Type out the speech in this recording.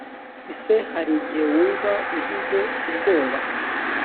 ese hari igihe wumva ugize ubwoba?